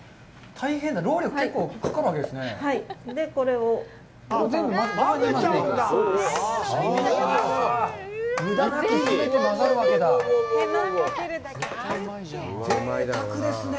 労力結構かかるわけですね。